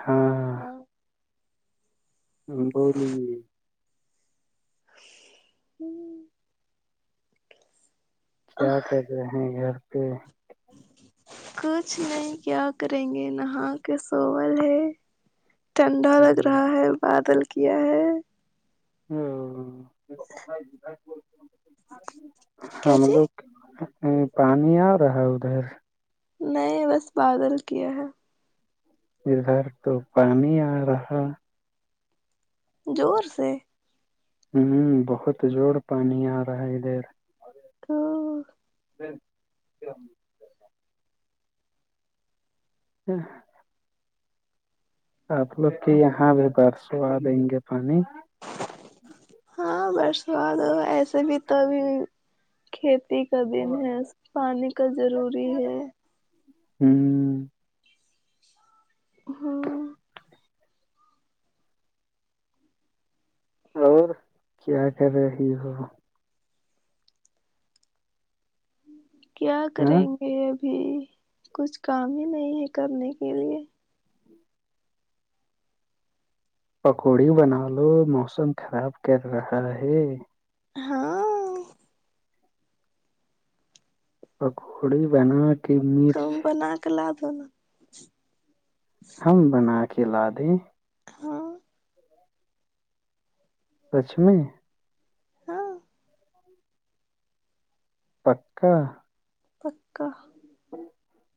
ہاں ہاں [unintelligible] ہاں بول لے ہوں کیا کر رہے ہیں گھر پہ کچھ نہیں کیا کریں گے نہا کے سوول ہے ٹھنڈا لگ رہا ہے بادل کیا ہے [unintelligible] کیا ہم جی لوگ پانی آ رہا ہے ادھر نئے بس بادل کیا ہے ادھر تو پانی آ رہا زور سے ہوں بہت زڑ پانی آ رہا ہے ادھر [unintelligible] [unintelligible] اچھ آپ لوگ کی یہاں بھی برسو آ دیں گے پانی ہاں برسوات ہو ایسے بھی تو ابھی کھیتی کا دن ہے پانی کا ضروری ہے ہوں ہاں اور کیا کر رہے ہیں وہ کیا ہاں کریں گے ابھی کچھ کام ہی نہیں ہے کرنے کے لیے پکوڑی بنا لو موسم خراب کر رہا ہے ہاں پ کووڑی بنا کے ک مرچ بنا کے لا دو نا ہم بنا کے لا د ہاں لچمی ہاں پکا پکا [inaudible]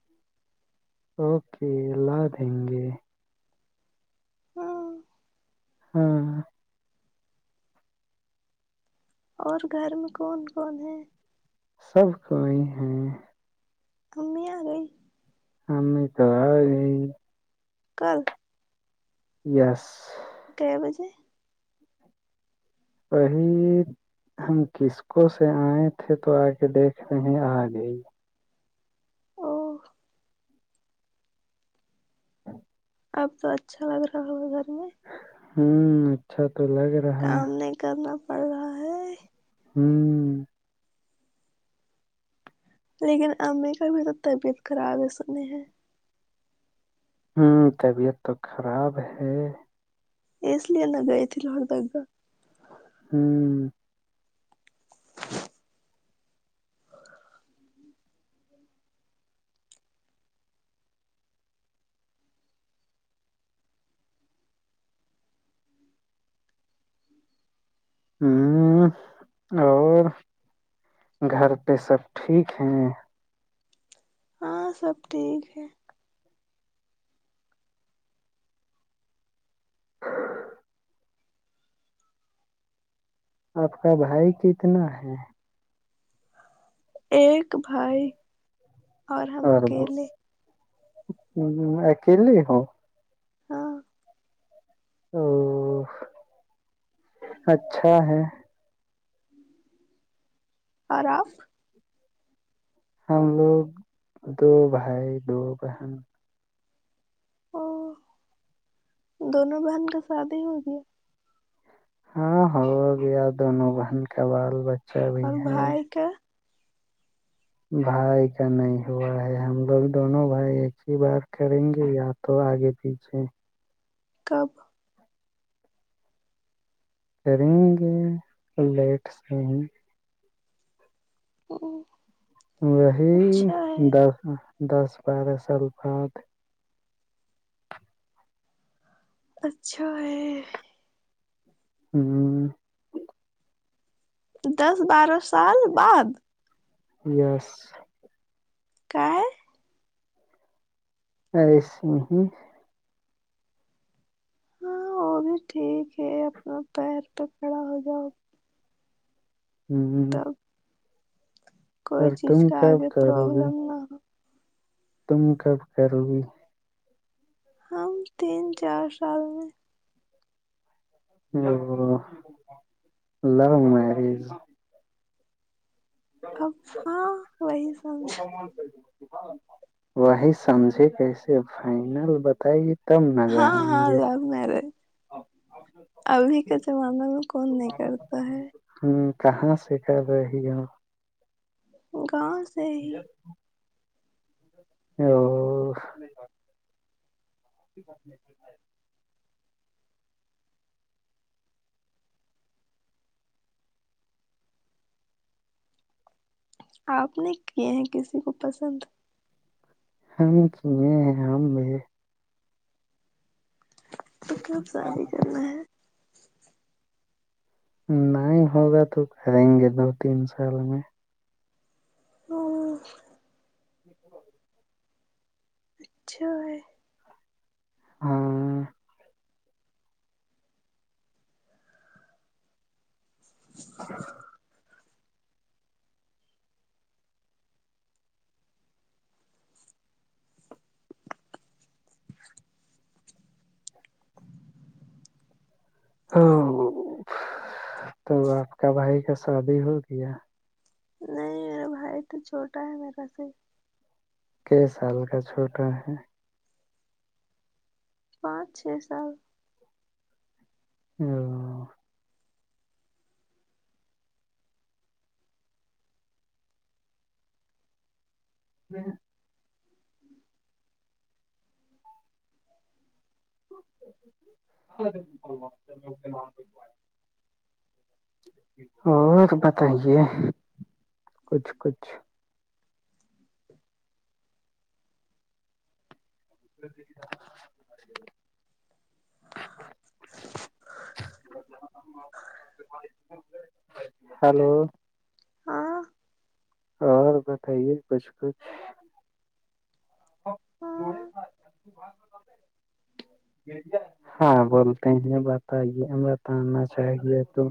اوکے ال لاد ہ گے ہاں ہاں اور گھر میں کون کون ہے سب کوئی ہیں ممی آ گئی ممے تو اگئی کل یس گ بجے ص ہم کس کو سے آئے تھے تو آ کے دیکھ رہے ہیں آگے او ہاں اب تو اچھا لگ رہا ہو گھر میں ہوں اچھا تو لگے کام نہیں کرنا پڑا ہوں لیکن امی کا بھی تو طبیعت خراب ہی سنی ہے ہوں طبیعت تو خراب ہے اس لیے میں گئے تھی [unintelligible] ہاں ہ اور گھر پہ سب ٹھیک ہے ہاں سب ٹھیک ہے آپ کا بھائی کتنا ہے ایک بھائی اور ہم اکیلے ہ ایکلی ہوں ہاں او اچھا ہے اور آپ ہم لوگ دو بھائی دو بہن او دونوں بہن کا شادی ہو گیا ہاں ہو گیا دونوں بن کا بال ب اور بھائی کا بھائی کا نہیں ہوا ہے ہم لوگ دونوں بھائی ایک ہی بار کریں گے یا تو آگے پیچھے کب کریگے لیٹ سے ہی ا وہی دس دس بارہ سال بعد اچھا ہے ہاں دس بارہ سال بعد یس کاہے [unintelligible] ہاں وہ بھی ٹھیک ہے اپنا پیر پہ کھڑا ہو جاؤ ہوں تب کوئی چیز تم کا کب آگے کرو گی پرابلم نہ ہو تم کب کرو گی ہم تین چار سال میں ا لو مریج اب ہاں وہی سم وہی سمجھے کیسے فائنل بتائیے تب نہ ہاں جانیں ہاں گے لو میریج ابھی کا زمانہ میں کون نہیں کرتا ہے ہوں کہاں سے کر رہی اپ گاؤں سے ہی [inaudible] او آپ نے کی ہیں کسی کو پسند ہم کیے ہیں ہم بھی تو کب سادی کرنا ہے نہیں ہوگا تو کریں گے دو تین سال میں اوہ، [inaudible] اچھا ہے ہاں ا [inaudible] ہاں تو آپ کا بھائی کا شادی ہو گیا نہیں میرا بھائی تو چھوٹا ہے میرا سے ہی ک سال کا چھوٹا ہے پانچ چھ سال ہاں میں [unintelligible] گب [unintelligible] اور بتائیے کچھ کچھ [inaudible] ہلو [inaudible] ہاں ہاں بتائیے کچھ کچھ ب ب ہاں [unintelligible] ہاں بولتے ہیں بتائیے بتانا چاہیے تو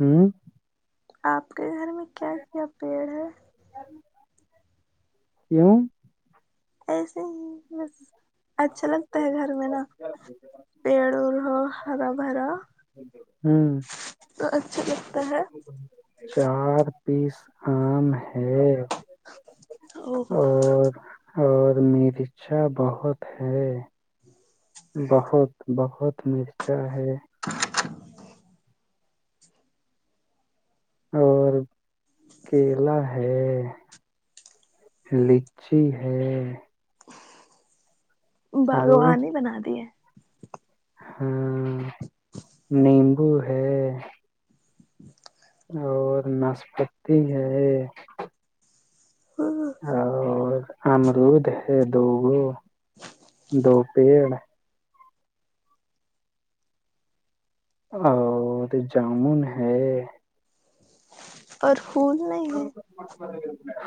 ہوں آپ کے گھر میں کیا کیا پیڑ ہے کیوں ایسے ہی بس اچھا لگتا ہے گھر میں نا پیڑ اڑ ہو ہرا بھرا ہوں تو اچھا لگتا ہے چار پیس آم ہے اور اور مریچچا بہت ہے [unintelligible] بہت بہت میچھا ہے [unintelligible] گ [unintelligible] اور کیلا ہے لچی ہے ہلو باغوانی بنا دی ہے ہاں نیمبو ہے اور ناشپتی ہے ہاں اور امرود ہے دو گو دو پیڑ ا تو جامن ہے [unintelligible] اور پھول نہیں ہے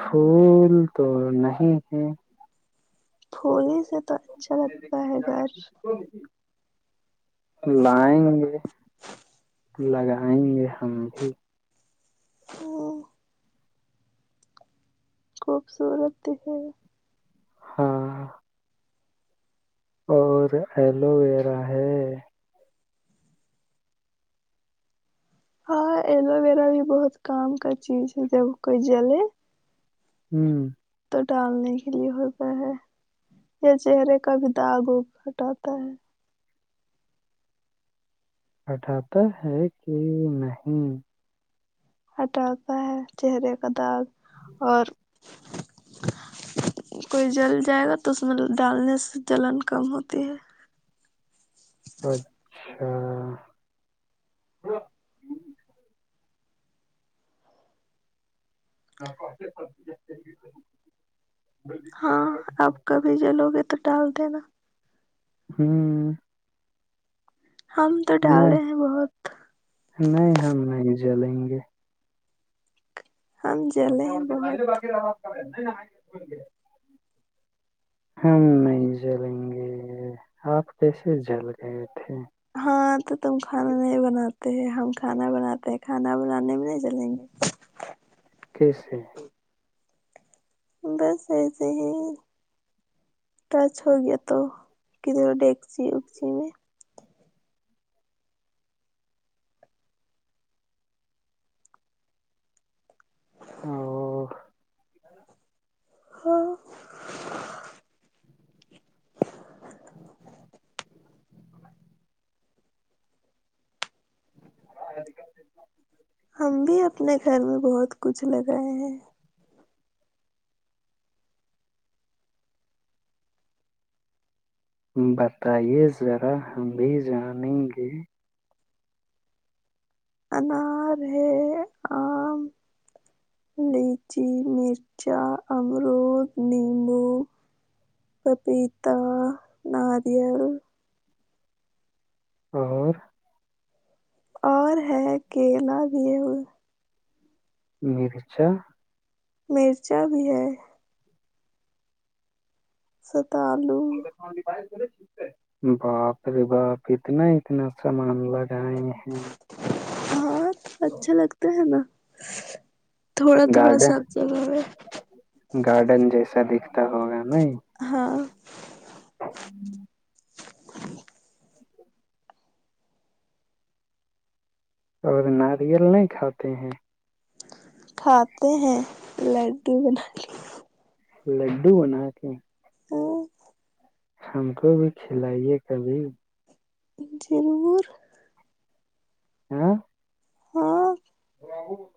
پھول تو نہیں ہے پھول سے تو اچھا لگتا ہے گھر ج جی [unintelligible] لائیں گے لگائیں گے ہم بھی ہ [unintelligible] خوبصورت ہے ہاں اور ایلو ویرا ہے ہاں ایلو ویرا بھی بہت کام کا چیز ہے جب کوئی جلے ہوں تو ڈالنے کے لیے ہوتا ہے یا چہرے کا بھی داغ وگ کٹاتا ہے ہٹھاتا ہے کہ نہیں ہٹاتا ہے چہرے کا داغ اور ا [unintelligible] کوئی جل جائے گا تو اس میں ڈالنے سے جلن کم ہوتی ہے ہ [unintelligible] [unintelligible] [unintelligible] ہاں اپ کبھی ج لوگے تو ڈال د نا ہوں ہم تو نہیں ڈالے ہیں بہت نہیں ہم نہیں جلیں گے ہم جلے ہیں بہت ماہل باقی رہاات کر [unintelligible] ہم نہیں جلیں گے آپ کیسے جل گئے تھے ہاں تو تم کھانا نہیں بناتے ہیں ہم کھانا بناتے ہیں کھانا بنانے میں نہیں چلیں گے کیسے بس ایسے ہی ٹچ ہو گیا تو گدرے ڈگسیی اگچی میں [unintelligible] او [unintelligible] ہاں [unintelligible] [unintelligible] ہم بھی اپنے گھر میں بہت کچھ لگائے ہیں بتائیے ذرا ہم بھی جانیں گے انار ہے آم لیچی مرچا امرود نیمبو پپیتا ناریل اور اور ہے کیلا بھی ہے مریچا مرچا بھی ہے ستالو باہر ش ہے [unintelligible] باپ رے باپ اتنا اتنا سامان لگائے ہیں ہاں اچھا لگتا ہے نا تھوڑا تھوڑا گارڈن سب جگہ پہ گارڈن جیسا دکھتا ہوگا ن ہاں اور ناریل نہیں کھاتے ہیں کھاتے ہیں لڈو بنا لی لڈو بنا کے ہ [unintelligible] ہم کو بھی کھلائیے کبھی ضرور ہوں ہاں اور [unintelligible]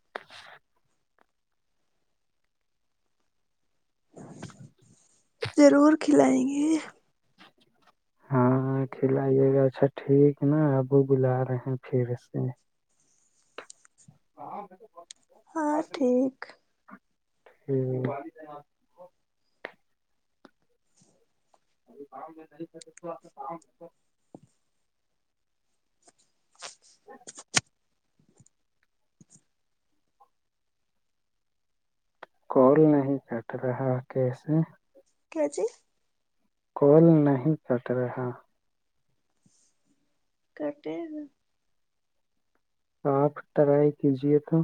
[unintelligible] ضرور کھلائیں گے [unintelligible] ہاں کھلائیے گا اچھا ٹھیک ہے نا ابو بلا رہے ہیں پھر سے ہاں تو [unintelligible] ہاں ٹھیک ہوں [unintelligible] [unintelligible] کال نہیں کٹ رہا کیسے کی اچے [inaudible] کل نہیں کٹ رہا کٹ گا [unintelligible] آپ ٹرائی کیجیے تو